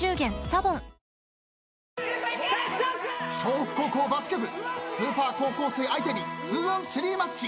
北高校バスケ部スーパー高校生相手に２ｏｎ３マッチ。